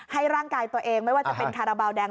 ร่างกายตัวเองไม่ว่าจะเป็นคาราบาลแดง